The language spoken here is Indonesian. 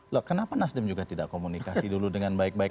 loh kenapa nasdem juga tidak komunikasi dulu dengan baik baik